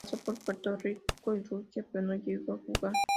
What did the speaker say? Pasó por Puerto Rico y Rusia pero no llegó a jugar.